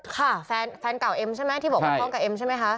แฟนแฟนเก่าเอ็มใช่ไหมที่บอกว่าท้องกับเอ็มใช่ไหมคะ